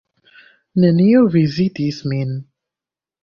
Neniu vizitis min.